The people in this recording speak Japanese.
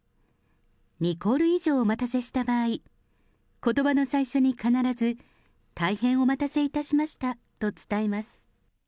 ２コール以上お待たせした場合、ことばの最初に必ず、大変お待たせいたしましたと伝えます。